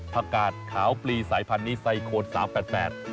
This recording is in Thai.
พระกาศขาวปลีสายพันธุ์นี้ไซโครน๓๘๘